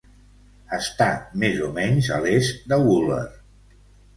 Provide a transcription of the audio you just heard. Està més o menys a l'est de Wooler.